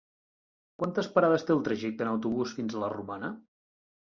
Quantes parades té el trajecte en autobús fins a la Romana?